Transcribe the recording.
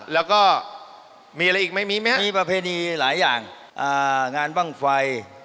แล้วก็มีอะไรอีกไหมมีไหมฮะมีปริพย์หนี้หลายอย่างอ่างานปั้งไฟ